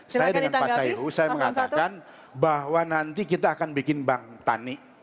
saya dengan pak sayuhu saya mengatakan bahwa nanti kita akan bikin bank tani